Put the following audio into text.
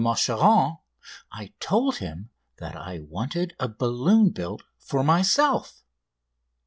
Machuron, I told him that I wanted a balloon built for myself.